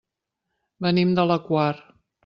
Venim de la Quar.